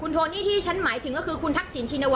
โทนี่ที่ฉันหมายถึงก็คือคุณทักษิณชินวั